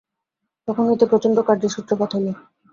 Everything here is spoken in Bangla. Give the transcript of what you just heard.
তখন হইতে প্রচণ্ড কার্যের সূত্রপাত হইল।